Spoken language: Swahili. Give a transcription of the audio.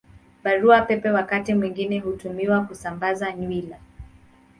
Barua Pepe wakati mwingine hutumiwa kusambaza nywila.